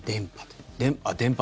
電波。